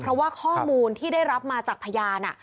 เพราะว่าข้อมูลที่ได้รับมาจากพยาน